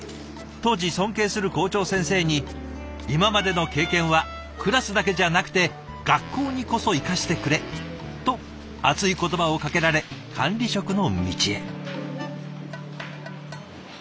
当時尊敬する校長先生に「今までの経験はクラスだけじゃなくて学校にこそ生かしてくれ」と熱い言葉をかけられ管理職の道へ。